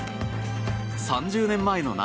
３０年前の夏